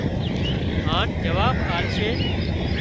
هانَ جواب آلشي